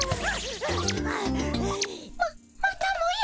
ままたもや。